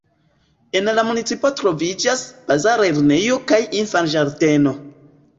En la municipo troviĝas Baza lernejo kaj Infanĝardeno.